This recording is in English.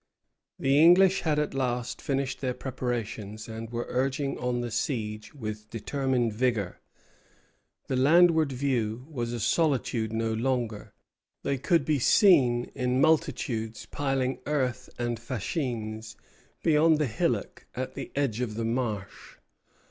The English had at last finished their preparations, and were urging on the siege with determined vigor. The landward view was a solitude no longer. They could be seen in multitudes piling earth and fascines beyond the hillock at the edge of the marsh.